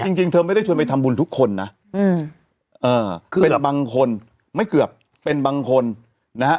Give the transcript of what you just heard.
จริงเธอไม่ได้ชวนไปทำบุญทุกคนนะคือเป็นบางคนไม่เกือบเป็นบางคนนะฮะ